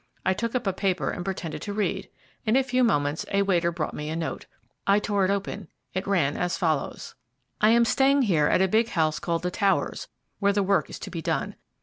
I took up a paper and pretended to read. In a few moments a waiter brought me a note. I tore it open. It ran as follows: "I am staying here at a big house called the Towers, where the work is to be done.